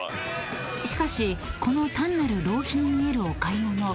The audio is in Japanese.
［しかしこの単なる浪費に見えるお買い物］